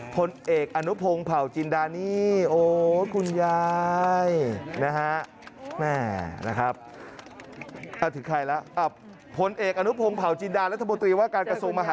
ผลเอกอนุพงษ์แผ่าจินดานี่โอ้คุณยายนะครับ